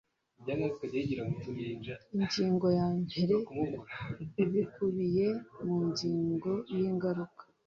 ingingo ya mbere ibikubiye mu nyigo y ingaruka